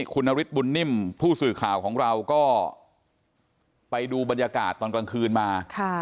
คุณนฤทธบุญนิ่มผู้สื่อข่าวของเราก็ไปดูบรรยากาศตอนกลางคืนมา